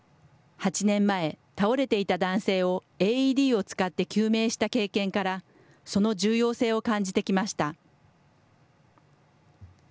８年前、倒れていた男性をＡＥＤを使って救命した経験から、その重要性を感じてきました。